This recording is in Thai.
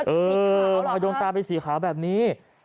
เออมันยงตาไปสีขาวแบบนี้